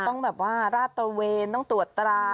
ต้องแบบว่าราดตระเวนต้องตรวจตรา